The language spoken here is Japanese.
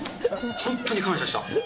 本当に感謝した。